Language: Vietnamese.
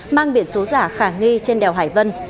mang biển số giả khả nghi trên đèo hải vân